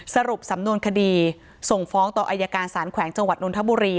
สรุปสำนวนคดีส่งฟ้องต่ออายการสารแขวงจังหวัดนทบุรี